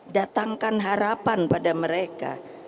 datangkan harapan pada mereka